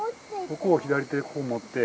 ここを左手でここ持って。